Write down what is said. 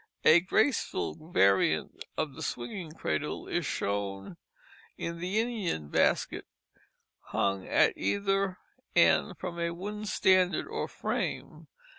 A graceful variant of the swinging cradle is shown in the Indian basket hung at either end from a wooden standard or frame.